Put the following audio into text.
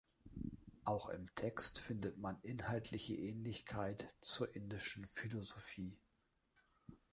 Auch im Text findet man inhaltliche Ähnlichkeit zur indischen Philosophie.